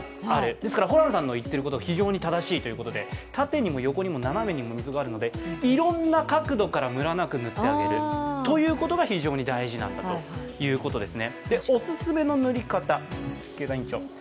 ですからホランさんの言ってることは非常に正しいということで縦にも横にも斜めにも溝があるのでいろんな角度からムラなく塗ってあげるということが非常に大事なんだということです。